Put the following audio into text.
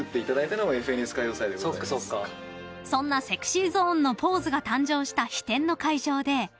［そんなＳｅｘｙＺｏｎｅのポーズが誕生した飛天の会場で］